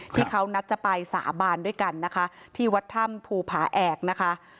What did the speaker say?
ที่เขานัดจะไปสาบานด้วยกันนะคะที่วัดถ้ำภูผาแอกนะคะ